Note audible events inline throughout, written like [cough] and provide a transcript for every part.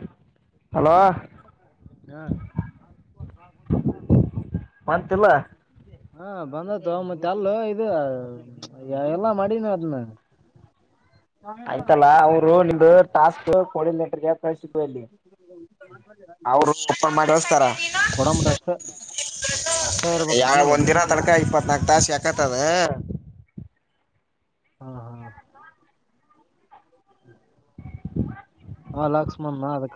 ಹಾ ಹಲೋ ಹ ಭಾಗಾವ ಮಂತಿಲ್ಲ ಹಾ ಬಂದತ್ತುು ಮತ್ತೆ ಅಲ್ಲ ಇದು ಎಲ್ಲಾ ಮಾಡಿನಿ ಅದ್ನ್ನ ಆಯ್ತಲ್ಲ ಅವರು ನಿಮ್ದು ಟಾಸ್ಕ್ ಕೋಡಿ ಲಟ್ರಗೆ ಕ ಎಲ್ಲಿ ಅವರು ಅಪ್ಪ ಮಾಡಿಸ್ತಾರ ಕೊಡಂಬಟ ಅಷ್ಟೇ ಯಾವ ಒಂದ ದಿನ ತಡ್ಕ ಇಪ್ಪತ್ನಾಕ್ ತಾಸ ಯಕತ್ತದ ಹಾ ಹಾ ಹ ಹಾ ಲಕ್ಷ್ಮಣ್ಣ ಅದಕ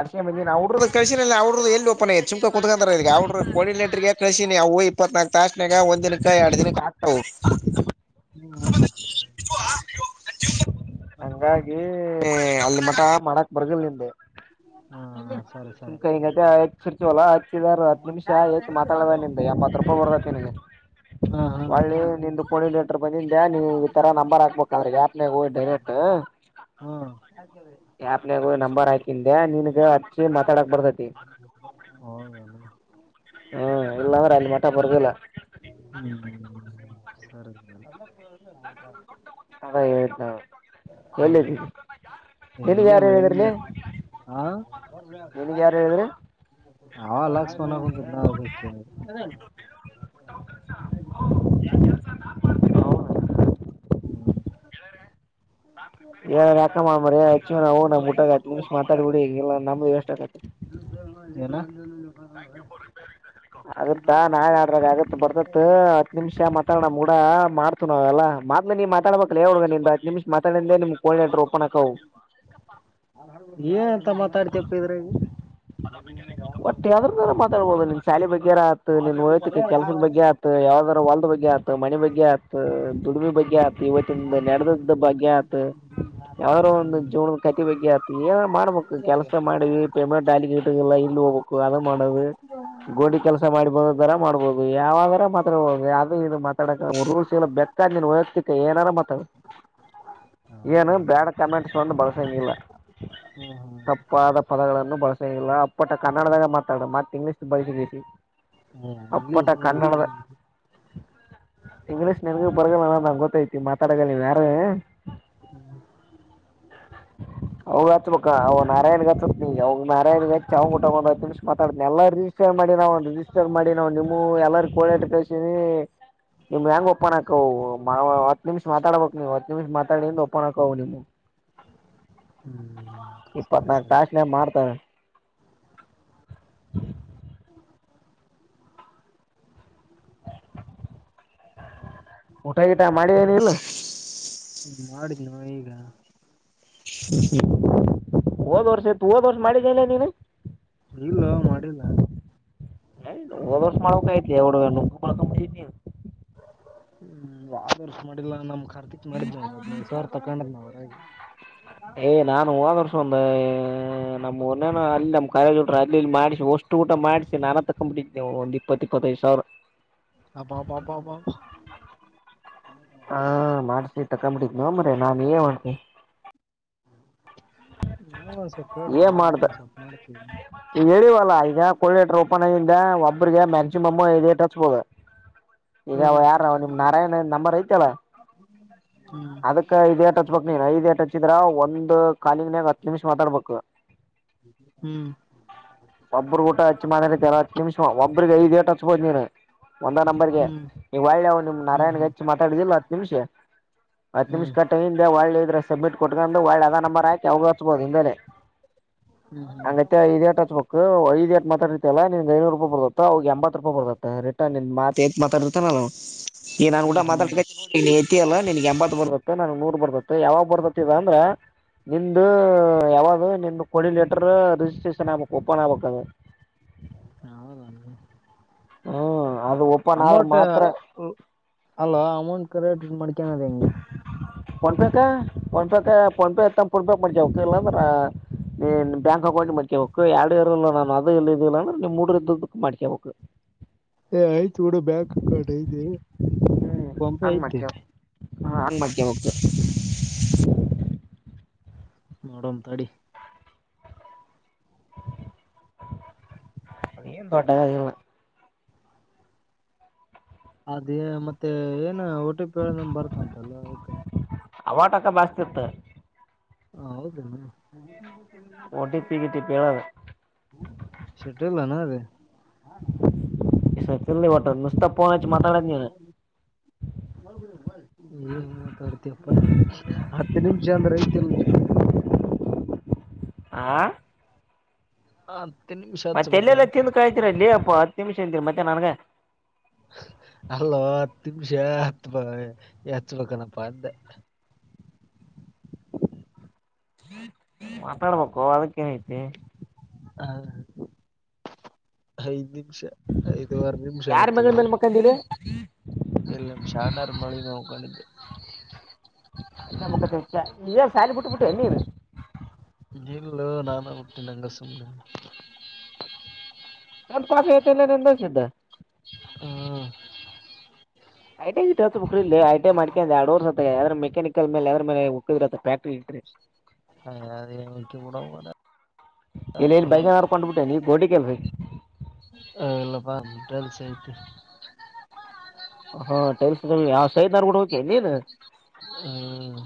ಅರ್ ಅವ್ರದ್ದ ಕಳಸಿನ ಅವ್ರದ್ದ ಎಲ್ಲ ಪಪ ಚುಮಕ ಕುತ್ಕೊಂಡ ಅವ್ರರು ಕಡಿನೇಟ್ರಿಗೆ ಕಳಸಿನವು ಇಪ್ಪತ್ನಾಲ್ಕು ತಶಣಾಗ ಒಂದ್ನಕ್ಕೆ ಎರಡು ದಿನಕ್ಕೆ ಆಕ್ತವು ಹ್ಮ ಹ್ಮ ಹಂಗಾಗಿ ಅಲ್ಲಿ ಮಠ ಮಾಡಾಕ್ ಬರ್ದಿಲ್ಲ ನಿದೆ ಹ್ಮ ಮ ಕ ಆ ಸರ್ಚಲ ಹ ನಿಮಿಷ ಐತಿ ಮಾತಾಡದ ನಿದ ಎಂಬತ್ ರೂಪಾಯಿ ಬರ್ದತ್ತತಿ ನಿನಗೆ ಹಾ ಹಾ ಒಳ್ಳೆ ನಿಂದು ಕೋಟರ್ ಬಂದಿಂದೆ ನೀವು ಈ ತರ ನಂಬರ್ ಹಾಕ್ಬೇಕ ಅಂದ್ರ ಯ ಡಟ್ ಹಾ ಆಪ್ನಾಗ ನಂಬರ್ ಹಾಕೆ ನಿನ್ಗ ಮಾತಾಡಕ್ ಬರ್ತೈತಿ ಹೌದನ ಹ್ಮ್ ಇಲ್ಲ ಮ್ರ ಅಲ್ಲಿ ಮಟ ಪಡದಿಲ್ಲ ಹ್ಮ್ ಸರಿ ಸ ಹ ಹೇಳ್ತ ಒಳ್ಳ ಎಲ್ಲ ಮಳಗ ಹ ನಿನ್ಗ ಯಾರು ಹೇಳಿದ್ರಿ ಹ ಲಕ್ಷ್ಮಣಗ ಹ್ಮ್ ಯಾಕಚ್ಚವು ನ ಮುಊಟಾಗ ನಿಮ ಮಾತಾಡ್ಬಿಡಿಲ್ಲ ನಮ್ದು ಎಷ್ಟ ಆರಿ ನಾ ಆಗತ್ತಾ ನಾ ಆಡ್ರಾಗ ಆಗತ್ ಬರ್ದತ್ ಹತ್ ನಿಮಿಷ ಮಾತಾಡಣ ಮೂಡ ಮಾಡ್ತು ನಾವ ಎಲ್ಲ ನೀವು ಮಾತಾಬೇಕಲ ಹುಗ ನಿ ನಿಮ್ ಮಾತಾಡೆ ನಿಮ ಕೋಳಟ ರಓಪಣಕ್ಕ ಎಂತ ಮಾತಾಡ್ತಪ್ಪ ಇದ್ರ ಬೋದು ನಿನ್ ಶಾಲಿ ಬಗ್ಗೆರ ಆತು ನಿನ್ ಹೋಯ್ತಕ್ಕೆ ಕೆಲಸದ ಬಗ್ಗೆ ಆತ ಯಾವ್ದ ವಲ್ದ ಬಗ್ ಆಯತ ಮನೆ ಬಗ್ಗೆ ಆಯತು ದುಡಿಮಿ ಬಗ್ಗೆ ಆತ ಇವತ್ತಿಂದ ನೆಡೆದ್ದ ಬಗ್ಗೆ ಆತ ಯಾವಾರೋ ಒಂದು ಹ್ಮ್ ಜವನದ ಕಟ್ಟಿ ಬಗ್ಗೆ ಆತು ಏನ ಮಾಡ್ಬೇಕು ಕೆಲ್ಸ ಮಾಡಿ ಪೆಮೆ ಲಿಗೆ ಇಟ್ಟಲ್ಲ ಇಲ್ಲಿ ಹೋಗ್ಬೇಕು ಅದು ಮಾಡದು ಗೋಡಿ ಕೆಲಸ ಮಾಡಿ ಬಂದ ತರ ಮಾಡ್ಬೋದು ಯಾವಾಗ ಮಾತ ಯಾವ್ದದು ಇದು ಮಾತಾಡಕ ರೂಸ್ ಎಲ್ಲ ಬೆೇಕನ್ ಹಯತಿ ಏನಾರ ಮಾತಾ ಏನು ಹೌದಾ ಬ್ಯಾಡ್ ಕಮೆಂಟ್ಸ್ ಬಂದು ಬಳಸಂಗಿಲ್ಲ ಹ್ಮ್ ತಪ್ಪಾದ ಪದಗಳನ್ನು ಬಳಸಿಲ್ಲ ಅಪ್ಪಟ್ಟ ಕನ್ನಡದಾಗ ಮಾತಾಡ ಮತ್ತೆ ಇಂಗ್ಲೀಷ್ ಬಳಸಿದೀರಿ ಹ್ಮ್ ಏ ಇಂಗ್ಲೀಷ್ ಅಪ್ಪಾ ಇಂಗ್ಲೀಷ್ ಕನ್ನಡದ ಇಂಗ್ಲೀಷ್ ನನಗ ಬರಗ ನಂಗ ಗೊತ್ತೈತಿ ಮಾತಾಡಗಲ್ಲ ನೀ ಯಾರು ಹ್ಮ್ ಹೌದು ಹಚ್ಬೇಕು. ಕ ಅವ ನಾರಾಯಣ ಗ ಹಚ್ತಿನೀ ಅವ್ ನಾರಾಯಣ ಗ ಹಚ್ಚಿ ಅವನ್ ಕೂಟ ಹತ್ ನಿಮಿಷ ಮಾತಾಡತಿನಿ ಎಲ್ಲ ರಿಜಿಸ್ಟರ್ ಮಾಡಿ ನ. ರಿಜಿಸ್ಟರ ಮಾಡಿನೀ ನಿಮವು ಎಲ್ಲಾರ್ ಕೋಡಾಟ ಕಳಿಸಿನಿ. ನಿಮ್ ಹೆಂಗ ಒಪ್ಪನ್ ಹಾಕ ಮಾ ಹತ್ ನಿಮಿಷ ಮಾತಾಡ್ಬೇಕಕ್ ನೀವು ಹತ್ ನಿಮಿಷ ಮಾತಾಡಿಂದ ಒಪ್ಪನ್ ಹಾಕವು ನಿಮ್. [inaudible] [unintelligible] ಹ್ಮ್ ಸರಿ ಇಪ್ಪತ್ನಾಲ್ಕು ಸರಿ ಟಾಸ್ನಗ ಮಾಡ್ತಾರೆ. ಊಟಾಗಿಟಾ ಮಾಡಿ ಹೇನ ಇಲ್ಲ. ನ ಈಗ. ಹೊದು ವರ್ಷ ಇತ್ತು ಹೊದ್ ವರ್ಷ ಮಾಡಿದ ಎನ್ ಲೇ ನೀನು. ಇಲ್ಲೊ ಮಾಡಿಲ್ಲ. ಓದ್ ಮಾಡ್ಬೇಕಾಗಿತ್ತು ಲೇ ಹುಡ್ಗ ನೀನು. [inaudible] ಹ್ಮ್ ಹೊದ ವರ್ಸ್ ಮಾಡಿಲ್ಲ ನಮ್ ಕಾರ್ತಿಕ್ ಮಾಡಿದ ಒಂದ್ ಸಾವಿರ ತಕೊಂಡಲ್ ನ ಅವರ. ಹೇಯ್ ನಾನು ಹೊದ ವರ್ಷ ಒಂದ..... ನಮ್ಮನ ಅಲ್ಲಿ ನಮ್ಮ್ ಕಾಲೇಜೋರ ಅಲ್ಲಿ ಇಲ್ಲಿ ಮಾಡಿಸಿ ಒಷ್ಟು ಊಟ ಮಾಡಿಸಿ ನಾನ ತಕೊಂಡ್ಬಿಟ್ಟಿದ್ದೆ ನೀವು ಒಂದ ಇಪ್ಪತ್ತ ಇಪ್ಪತೈದು ಸಾವಿರ. ಸಾವಿರ. ಅಬ್ಬಬ್ಬಬ್ಬಬ್ಬ ಹಾ ಮಾಡ್ಸಿ ತಕಂಬಿಟ್ಟೀನೋ ಮರಾಯ ನಾನು ಎನ್ ಮಾಡತಿ. ನಮ್ಗು ಒಂದ್ ಸ್ವಲ್ಪ ಹೇಳ್ರಿ ಏನ್ ನಾ ಮಾಡ್ದ ಒಂದ್ ಸ್ವಲ್ಪ ಮಾಡ್ತೀವಿ. ಈಗ ಹೇಳಿವಲ್ಲಾ ಈಗ ಕೊಳ್ಳಟ್ರ ಓಪನ್. ಒಬ್ಬರಿಗೆ ಮ್ಯಾಕ್ಸಿಮಮ್ ಐದು ಏಟು ಹಚ್ಬೊದು. ಈಗ ಹ್ಮ್ ಯಾರ ನಿಮ್ ನಾರಾಯಣ ನಂಬರ್ ಐತಲ್ಲ. ಹ್ಮ್ ಅದಕ್ ಐದೇಟ್ ಹಚ್ಬೇಕು ನೀನು ಐದೇ ಟಚ್ ಹಚಿದ್ರ ಒಂದು ಕಾಲಿಂಗನ್ಯಾಗ ಹತ್ತು ನಿಮಿಷ್ ಮಾತಾಡ್ಬೇಕು. ಹ್ಮ್. ಒಬ್ಬರು ಊಟ ಹಚ್ಚಿ ಮಾತಾಡ್ತಾ ಅಲಾ ಹತ್ತು ನಿಮಿಷ್ ಒಬ್ಬ್ರಿಗೆ ಐದೇಟು ಹಚ್ಬೋದು ನೀನು. ಒಂದ ನಂಬರ್ಗೆ ಹ್ಮ್ ನೀ ವಳ್ಳಿ ನಿಮ್ ಹ್ಮ್ ಹ್ಮ್ ನಾರಾಯಣ್ಗೆ ಹ್ಮ್ ಹಚ್ಚ ಮಾತಾಡಿದಿಲ್ಲ ಹತ್ತು ನಿಮಿಷ. ಹತ್ತು ನಿಮಿಷ ಕಟ್ಟಿಂದೆ ಒಳ್ಳಿ ಇದ್ರ. ಸಬ್ಮಿಟ್ ಕೊಟ್ಕಂಡು ಒಳ್ಳೆ ಅದ ನಂಬರ್ ಹಾಕಿ ಅವ್ಗ ಹಚ್ಬೋದು ಹಿಂದೆಲೆ. ಹ್ಮ ಹ್ಮ. ಐದು ಎಟ್ ಮಾತಾಡ್ತಲ್ಲ ನಿನ್ ಐನೂರು ರೂಪಾಯ ಬರ್ತ್ತ ಅವಿಗೆ ಎಂಬತ್ತು ರೂಪಾಯ ಬದತ್ತ ರಿಟನ್ ನಿ ಮಾತ್. ಬತತ ನಲ್ಲಾಮ. [inaudible] ಈ ನಾನ್ ಗುಡಾ ಹ್ಮ್ ಮಾತಾಡ್ ಹ್ಮ್ ಎತ್ತ ಅಲ್ಲ ನಿನ್ಗ್ ಎಂಬತ್ ಬರ್ಬೇಕು ನನ್ಗ್ ನೂರ್ ಬರ್ಬೇಕು ಯಾವಾಗ್ ಬರ್ತತಿ ಅಂದ್ರೆ. ನಿಮ್ದ ಯಾವದು ನಿಮ್ದು ಕೊಳಿ ಲೆಟರ್ ರಿಜಿಸ್ಟ್ರೇಷನ್ ಆಗ್ಬಬೇಕು ಓಪನ್ ಆಗ್ಬಬೇಕ ಅದ. ಹೌದೇನು ಹ್ಮ್ ಅದು ಓಪನ್ ಆದ್ರ ಅಮೌಂಟ್ ಮಾತ್ರ ಹು. ಅಲ್ಲೋ ಅಮೌಂಟ್ ಕರೆಟ್ ಮಾಡ್ಕನದ ಹೆಂಗ. ಫೋನ್ಪೇೇಕ ಫೋನ್ಪೇಕ ಫೋನ್ಪೇ ಇತ್ತ ಫೋನ್ಪೇ ಮಾಡ್ಕೊಬೇಕು ಇಲ್ಲ ಅಂದ್ರ. ನೀ ಬ್ಯಾಂಕ್ ಅಕೌಂಟ್ ಮಾಡ್ಕೇಬೇಕು ಎರಡು ಇರಲ್ಲ ನಾನು ಅದು ಇಲ್ಲ ಇದಿಲ್ಲ ನಿಮ್ ಹುಡ್ಗರ್ ಇದ್ದದಕ್ಕ ಮಾಡ್ಕೇಬೇಕು. [unintelligible] ಏ ಆಯ್ತ ಬಿಡ್ ಬ್ಯಾಂಕ್ ಅಕೌಂಟ್ ಐತೆ ಫೋನ್ಪೇ ಆಯ್ತಿ. ಹಾ ಅನ್ ಮಾಡ್ಕಬೇಕು. ಹ್ಮ್ ನೋಡಮ್ ತಡಿ. ಏನು ದೊಡ್ ಆಗದಿಲ್ಲ. ಅದೇ ಮತ್ತೆ ಏನ್ ಒ ಟಿ ಪಿ ಹೇಳ ನಂಬರ್ ಬರ್ತಂತಲ್ಲ ಅದಕ. ಹವಟಕ ಬಾಸ್ತಿ ಇತ್ತು. ಹ ಹೌದೇನು. ಓಟಿಪಿ ಗಿಟಿಪಿ ಹೇಳದು. ಹಾ. [inaudible] [inaudible] ಮಾತಾಡುದು ನೀನು. ಏನ್ ಮಾತಡ್ತಿ ಯಪ್ಪ ಹತ್ತು ನಿಮಿಷ ಅಂದ್ರೆ. ತಿಲ್ಲೊ. ಹಾ. ಹ. ಮತ್ತ ಎಲ್ಲೆಲ್ಲೆ ತಿಂದು ಕಾಯ್ತೀರಲ್ಲೆ ಅಪ್ಪ ಹತ್ ನಿಮಿಷ ಇದ್ದೀರಿ ಮತ್ತೆ ನನ್ಗ. ಅಲ್ಲೋ ಹತ್ತು ನಿಮಿಷ ಹತ್ ಬ ಹಚ್ಬೇಕಲಂತ ಅಂದ್ಯ. [inaudible] ಮಾತಾಡ್ಬೇಕೊ ಅದಕ್ಕೇನಐತಿ. ಹ ಹೈದೀ ಷ ಐದುವರ ನಿಮಿಷ ಯಾರ ಆತ್ ಮಗಳ ಮೇಲೆ ಇವಗ್. ಮಕ್ಕಂದಿಲಿ ಕಂಡಿದ್ದೆ. ಇಸ್ಟ ಮಕೋತಿ ಇಸ್ಟ ಏ ಸಾಲಿ ಬುಟ್ಟಬುಟ್ಟಿ ಎನ್ ನೀನ್. ಇಲ್ಲೋ ನಾನಾ ಬಿಟ್ಟಿಲ ಹಂಗ್ ಸುಮ್ನೆ. [unintelligible] ಇಲ್ಲ ನಿಂದ ಸಿದ್ಧ. ಹ್ಮ ಐಟ್ಯ ಗಿಟ್ಯಾ ಹಚ್ಚಬೇಕಿಲ್ಲೆ ಐಟ್ಯ ಮಾಡ್ಕ್ಯಾಂಡ್ ಎರಡ್ ವರ್ಷ. ತ ಯಾದ್ರ ಮೆಕ್ಯಾನಿಕಲ್ ಮೇಲದ್ರ ಮೇಲೆ ಹೊಕ್ಕಿರ್ ಆತ್ ಫ್ಯಾಕ್ಟರಿ ಗಿಟ್ರೀ. ಹಾ ಅದೇನ್ ಹೊಕ್ಕಿ ಬಿಡೋ ಮಾರಾಯ. ಇಲ್ಲ ಇಲ್ಲ ಬೈಗನ್ಕೊಂಡ್ಬಿಟ್ಟೆ ನೀ [unintelligible] ಏ ಇಲ್ಲಪ್ಪ ಮುಟ್ಟಲ್ ಸೈತ. ಹಾ ಟೈಲ್ಸ್ಗಳ ಯಾ ಸೈದನಾರ್ ಬುಡಬೇಕ್ ಎನ್ ನೀನ. ಹ್ಮ್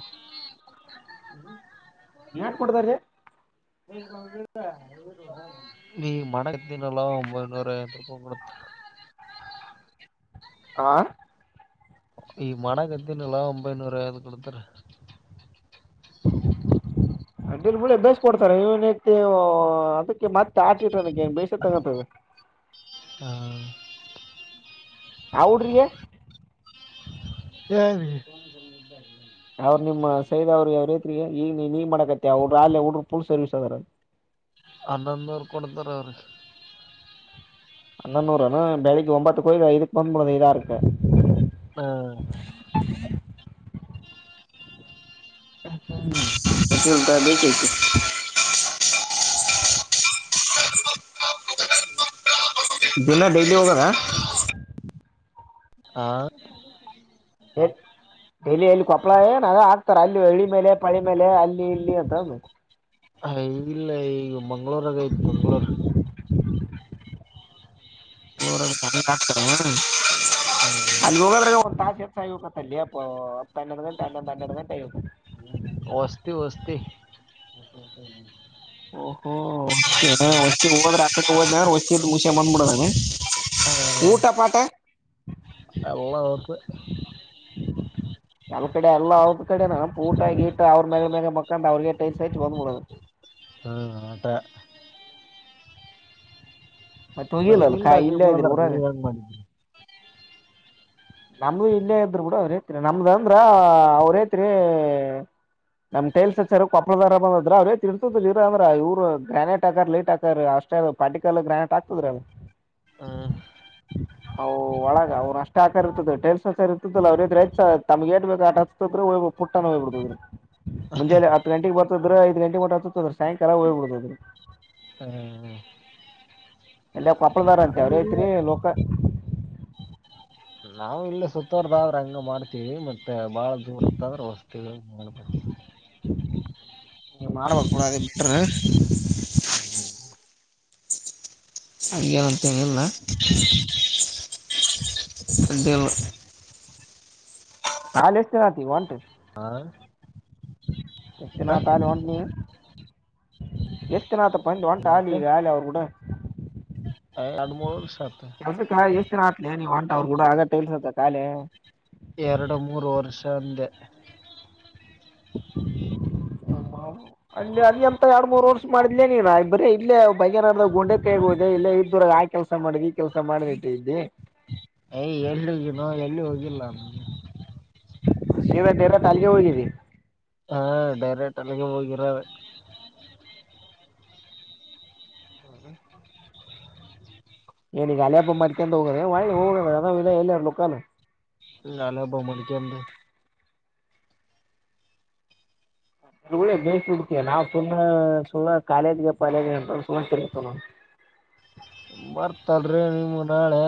ಯಾನ್ ಕೊಡ್ತಾರಿ. ಈಗ ಮಾಡತಿನಲ್ಲೂ ಒಂಬೈನೂರ ಐವತ್ ರೂಪಾಯಿ ಕೊಡ್ತಾರ. ಹ ಈಗ್ ಮಾಡಗತಿನಲ್ಲೊ ಒಂಬೈನೂರ ಐವತ್ ಕೊಡ್ತಾರ. ಅಡ್ಡಿ ಇಲ್ ಬುಳೆ ಬೇಸಿ ಕೊಡ್ತಾರೆ ಇವನ್ [unintelligible] ಅದಕ್ ಕೆ ಮತ್ತ ಆಟ ಇಟ್ ಅನಕೆ ಬೇಷ ತಗಂತರ ಬಿಡ್. ಹಾ ಆ ಹುಡ್ರಿಗೆ. ಯಾರ್ಗಿ ಅವ್ರ ನಿಮ್ಮ ಸೈದ ಅವ್ರ ಈಗ ಯಾವ್ರೈತ್ರಿಗೆ ಇಲ್ ನೀ ನೀ ಮಾಡಕತ್ತಿ ಅವ್ರ ಅಲ್ಯ ಹುಡುಗ್ರು ಪುರ್ ಸರ್ವಿಸ್ ಅದಾರ ಹನ್ನೊಂದು ನೂರ್ ಕೊಡ್ತಾರ ಅವ್ರ. ಹನ್ನೊಂದ ನೂರ್ ಅನ ಬೆಳಿಗ್ಗೆ ಒಬ್ಬಂತಕ್ಕ ಹೋಗಿ ಐದಕ್ ಬಂದ್ ಬುಡದ ಐದ್ ಆರಕ್ಕ. ಹ್ಮ ಹ್ಮ್ ಇಲ್ ದಂಡಿಕೇಸಿ. [inaudible] [unintelligible] ದಿನ ಡೈಲಿ ಹೋಗದ. ಹ ಎಲ್ ಡೈಲಿ ಎಲ್ ಕೊಪ್ಪಳ ಎನ್ ಎಲ್ಲಾ ಹಾಕ್ತರ ಅಲ್ ಇಲ್ಲು ಈಳಿ ಮೇಲೆ ಪಳಿ ಮೇಲೆ ಅಲ್ಲಿ ಇಲ್ಲಿ ಅಂತಂದ ಹ ಈಲ್ಲ ಈಗ ಮಂಗ್ಗಳೂರಾಗ ಐತಿ ಮಂಗ್ಗಳೂರ್. ಮಂಗಳೂರಾಗ ಅದ ಹಂಗ್ ಹಾಕ್ತಾರು ಹ್ಮ್ ಅಲ್ಲ ಹೋಗದ್ರಗ ಒಂದ್ ತಾಸ ಎತ್ತ ಆಗಿ ಹೊಕೈತಿ. ಅಲ್ಲಯಪ್ಪ ಅ [unintelligible] ಹ್ಮ್ ಹ್ ಓಹೋ ಹಿಂಗೇನ ಮತ್ತಿಗ್ ಹೋದ್ರ ಅಕಾಡಿಕ್ ಹೋದನ್ಯ ಅಂದ್ರ ವಶಿಪ್ ಮುಷ್ಯ ಬಂದ್ಬಿಡದಾನ. ಹ ಊಟ ಪಾಟ ಎಲ್ಲಾ ಹೋತ ಎಲ್ಲ ಕಡೆ ಎಲ್ಲ ಅವ್ರ ಕಡೆನ ಊಟ ಗೀಟ ಅವ್ರ ಮ್ಯಾಗ ಮ್ಯಾಗ ಮಕ್ಕಂದ ಅವ್ರಿಗೆ ಟೈಲ್ಸ್ ಹಚ್ಚಿ ಬಂದ್ಬಿಡೋದು ಹ ಆಟ. ಮತ್ತೆ ಹೋಗಿಲ್ಲ ಮತ್ತ ಅಲ್ ನಿಂದ ಕಾ ಹಾಕಕ ಇಲ್ಲೇ ಇದ್ರಿ ಬಂದಾರ ಊರಾಗ ನೀ ಹೆಂಗ ಬಂದಿ. ನಮ್ದು ಇಲ್ಲೆ ಇದ್ರ ಬುಡ ರೈತ್ರ ನಮ್ದ ಅಂದ್ರ ಅವ್ರೆ ತಿರೆ. ನಮ್ ಟೈಲ್ಸ್ ಹಚ್ಚರ ಕೊಪ್ಪಳದರ ಅದಾವ ಆದ್ರ ಅವ್ರೇ ತೀರ್ಸುದ ಇವ್ರ ಅದರ ಇವ್ರ ಗ್ರಾನೇಟ್ ಹಾಕರ ಲೈಟ್ ಹಾಕರ ಅಷ್ಟ ಅಷ್ಟ ಪಾಟಿಕಲ್ ಗ್ರ್ಯಾಂಟ್ ಆಕ್ತದ್ರಲ. ಹ ಒಳಗ ಅವ್ರ ಅಷ್ಟ ಇರ್ತದೆ ಟಲ್ಸ ಇರ್ತದಲ್ಲ ಅವ್ರ ತಮಗೆ ಎಟ್ ಬೇಕಾ ಆಟ ಪುಟ್ಟನ ಹೋಗ್ಬಡತದ ಮುಂಜಾನೆ ಹತ್ತು ಗಂಟೆಗೆ ಬರ್ತದ್ರ ಐದ ಗಂಟೆಗೆ ಹೊರಟಹೋಥದ ಸಾಯಂಕಾಲ ಹೋಗ್ಬ ಬಿಡಬಾವ್ಡು ಹ್ಮ ಎಲ್ಲ ಕೊಪ್ಪಳದಾರ ಅಂತೆ ಅವ್ರ ಹೆಸರಿ ಲೋಕ ನಾವು ಇಲ್ಲ ಸುತ್ತೋರ್ದ ಆದ್ರೆ ಹಂಗ ಮಾಡ್ತೀವಿ ಮತ್ತೆ ಬಾಳ ದುರಡ್ಕಾದ್ರೆ ಹೋಗ್ತೀವಿ [unintelligible] ನೀ ಮಾಡ್ಬೇಕು ಕೂಡ ಅದ ಬಿಟ್ರ [unintelligible] ಹಂಗೆ ಅಂತೇನಿಲ್ಲ ಹಂಗೆ ಅವ ಹಾಲು ಎಷ್ಟ [unintelligible] ಒಂಟು ಹಾ ಎಸ್ತಿನನಾಥ್ ಹಾಲ [unintelligible] ನೀ ಎಸ್ತಿನಾಥಪ್ಪಂದು ಹೊಂಟ ಹಾಲ ಈಗ ಹಾಲಿ ಅವರು ಕೂಡ ಆ ಅಡುಮೋಶಾನ್ ಎ ಎಷ್ಟ ದಿನ ಆತಿ ನೀವ ಅಂಟ ಅವ್ರು ಕೂಡ ಆಗ ಇಲ್ಸತ್ತ ಕಾಲೆ ಎರಡು ಮೂರು ವರ್ಷ ಅಂದೆ [inaudible] ಅಲ್ಲಿ ಅಲ್ಲಿಂತ ಎರಡ್ ಮೂರ್ ವರ್ಷ ಮಾಡಿದ್ಲೇ ನೀನ್ ಬರೀ ಇಲ್ಲೇ ಭಾಗ್ಯನಾರ್ದ್ಗ ಗುಂಡೆ ಕಾಯಗ ಹೋದೆ ಇ ಇದರಾಗ ಆ ಕೆಲ್ಸ ಮಾಡು ಈ ಕೆಲ್ಸ ಮಾಡದಿಟ್ಟ ಇದ್ದಿ ಏ ಎಲ್ಲಿದಿನೋ ಎಲ್ಲಿ ಹೋಗಿಲ್ಲ ಸೀದ ಡೈರೆಕ್ಟ್ ಅಲ್ಲಿಗೆ ಹೋಗಿದಿ ಹಾ ಡೈರೆಕ್ಟ್ ಅಲ್ಲಿಗೆ ಹೋಗಿರೆ ಹ್ಮ ನಿನಗ ಅಲ ಹಬ್ಬ ಮಾಡ್ಕೊಂಡ ಹೋಗೋದ ಹೋಗ ಅ ಇಲ್ಲ ಎಲ್ಲಾರ ಮುಕ್ಕನ ಇಲ್ ನಾನೊಬ್ಬ [unintelligible] ಇಲ್ಲೆ ಗೇಟ್ [unintelligible] ನಾವ್ ಸುಮ್ನೆ [unintelligible] ಕಾಲೇಜ್ಗೆ ಪಾಲೇಜ ಅಂತ ಸುಮ್ನೆ ತೀರ್ಗತೀರ್ಥನ್ವನು [inaudible] ಬರ್ತಲ್ರಿ ನಿಮ್ಮ ನಾಳೆ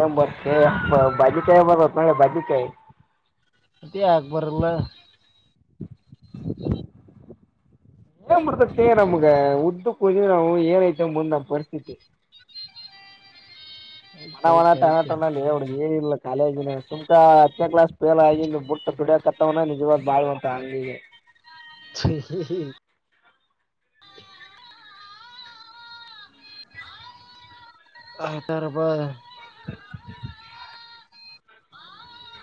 ಎ [unintelligible] ಭಾಜಿ ಕಾಯಿ ಬರ ಭಾಜಿ ಕಾಯಿ ಅದೇ ಯಾಕೆ ಬರಲ್ಲ [unintelligible] [unintelligible] ನಮಗೆ ಉದ್ದ ಕೊ ನಾವು ಏನಐತ ಮುಂದ ನಾ ಪರಿಸ್ಥಿತಿ [unintelligible] ಐತೆ ಐತೆ ಟನಾ ಐತೆ ಟನೇ ಲೆ ಏನಿಲ್ಲ ಕಾಲೇಜಿನ ಸುಮಕ ಹತ್ತನೇ ಕ್ಲಾಸ್ ಫೇಲ್ ಆಗಿ ಬುಟ್ಟ ದುಡಿಯಕತ್ತವನ ನಿಜವಾದ್ ಬಾಳುವಂತ ಹಂಗಿಗೆ [inaudible] [unintelligible] ಹಂತಾರ ಬಾ [unintelligible]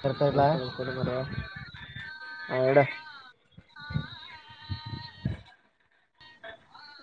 ಇರ್ತಾ ಮುಳ್ಳು ಇಲ್ಲ ತೇಗದ [unintelligible] ನಡಿ [unintelligible]